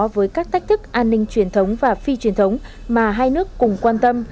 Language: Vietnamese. với các tách thức an ninh truyền thống và phi truyền thống mà hai nước cùng quan tâm